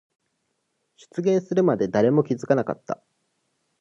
出現するまで誰も気づかなかった。